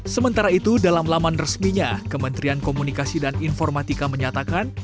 sementara itu dalam laman resminya kementerian komunikasi dan informatika menyatakan